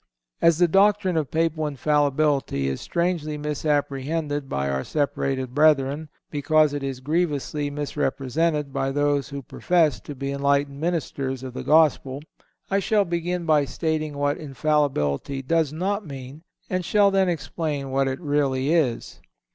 As the doctrine of Papal Infallibility is strangely misapprehended by our separated brethren, because it is grievously misrepresented by those who profess to be enlightened ministers of the Gospel, I shall begin by stating what Infallibility does not mean, and shall then explain what it really is.